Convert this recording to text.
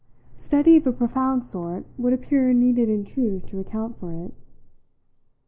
Study of a profound sort would appear needed in truth to account for it.